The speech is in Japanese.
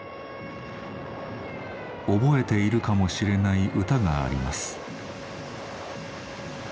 覚えているかもしれない歌があります。